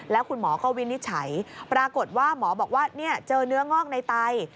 แล้วคุณหมอก็วินิจฉัยปรากฏว่าหมอบอกว่าเจอเนื้องอกในไต